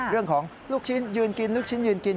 เรื่องของลูกชิ้นยืนกินลูกชิ้นยืนกิน